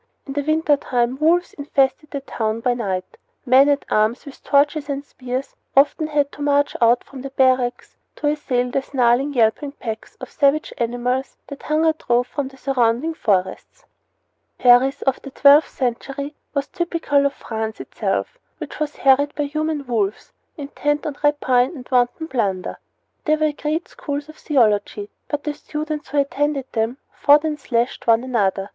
In the winter time wolves infested the town by night. Men at arms, with torches and spears, often had to march out from their barracks to assail the snarling, yelping packs of savage animals that hunger drove from the surrounding forests. Paris of the twelfth century was typical of France itself, which was harried by human wolves intent on rapine and wanton plunder. There were great schools of theology, but the students who attended them fought and slashed one another.